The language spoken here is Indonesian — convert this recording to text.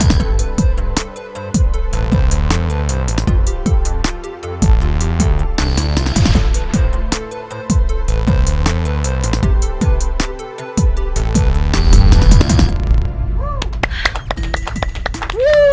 gak ada yang nungguin